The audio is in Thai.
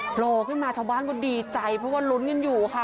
โผล่ขึ้นมาชาวบ้านก็ดีใจเพราะว่าลุ้นกันอยู่ค่ะ